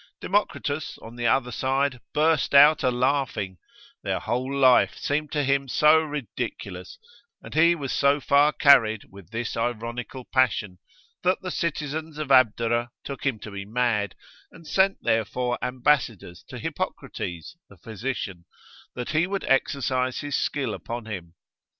Democritus on the other side, burst out a laughing, their whole life seemed to him so ridiculous, and he was so far carried with this ironical passion, that the citizens of Abdera took him to be mad, and sent therefore ambassadors to Hippocrates, the physician, that he would exercise his skill upon him.